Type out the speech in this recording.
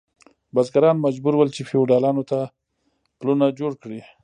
بزګران مجبور ول چې فیوډالانو ته پلونه جوړ کړي.